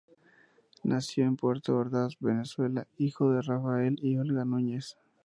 Nació en Puerto Ordaz, Venezuela, hijo de Rafael y Olga Núñez.